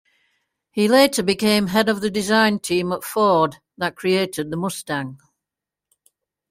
He later became head of the design team at Ford that created the Mustang.